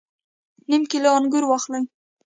نیم کیلو انګور واخلئ